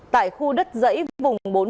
tại khu đất dãy vùng bốn mươi